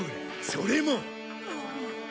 それも。